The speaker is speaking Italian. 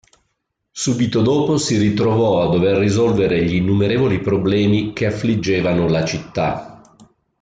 Subito dopo si ritrovo a dover risolvere gli innumerevoli problemi che affliggevano la città.